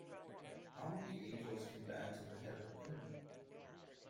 How many angels can dance on the head of a pin?